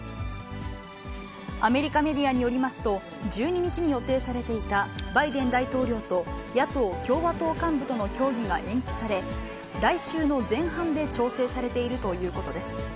アメリカメディアによりますと、１２日に予定されていたバイデン大統領と野党・共和党幹部との協議が延期され、来週の前半で調整されているということです。